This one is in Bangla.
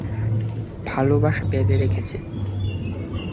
ভালোবাসা বেঁধে রেখেছে।